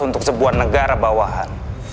untuk sebuah negara bawahan